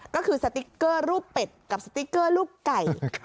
ก็คือสติ๊กเกอร์รูปเป็ดกับสติ๊กเกอร์รูปไก่